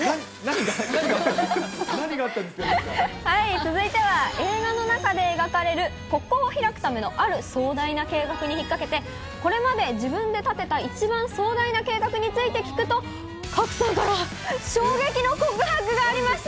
続いては、映画の中で描かれる国交を開くためのある壮大な計画にひっかけて、これまで自分で立てた一番壮大な計画について聞くと、賀来さんから衝撃の告白がありました。